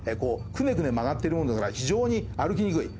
くねくね曲がってるものだから非常に歩きにくい。